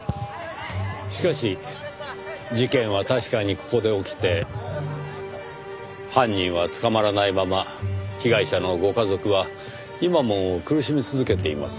しかし事件は確かにここで起きて犯人は捕まらないまま被害者のご家族は今も苦しみ続けています。